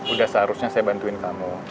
udah seharusnya saya bantuin kamu